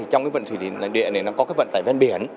trong cái vận tải đường bộ này có cái vận tải bên biển